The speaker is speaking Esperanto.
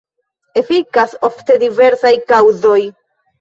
Efikas ofte diversaj kaŭzoj.